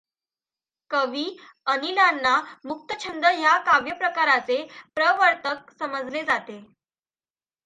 कवि अनिलांना मुक्तछंद ह्या काव्यप्रकाराचे प्रवर्तक समजले जाते.